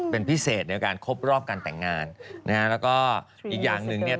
เป็นพิเศษในการครบรอบการแต่งงานนะฮะแล้วก็อีกอย่างหนึ่งเนี่ย